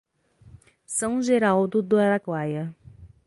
São Geraldo do Araguaia